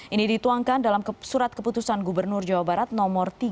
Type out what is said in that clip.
ini dituangkan dalam surat keputusan gubernur jawa barat no tiga ratus enam puluh dua